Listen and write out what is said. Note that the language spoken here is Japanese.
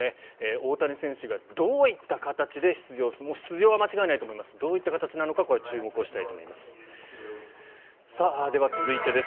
大谷選手がどういった形で出場出場は間違いないと思いますがどういった形なのか注目したいと思います。